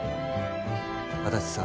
足立さん